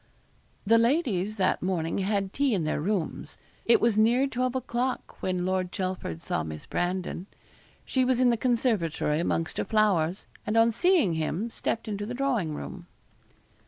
The ladies that morning had tea in their rooms. It was near twelve o'clock when Lord Chelford saw Miss Brandon. She was in the conservatory amongst her flowers, and on seeing him stepped into the drawing room.